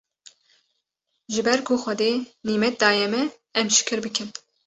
ji ber ku Xwedê nîmet daye me em şikir bikin